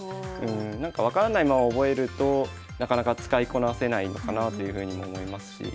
分からないまま覚えるとなかなか使いこなせないのかなというふうにも思いますし。